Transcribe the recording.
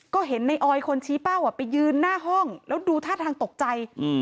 ก็เห็นในออยคนชี้เป้าไปยืนหน้าห้องแล้วดูท่าทางตกใจ